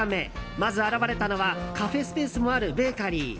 まず現れたのはカフェスペースもあるベーカリー。